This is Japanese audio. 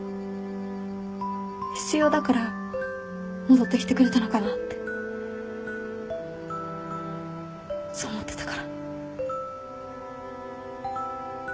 必要だから戻ってきてくれたのかなってそう思ってたから。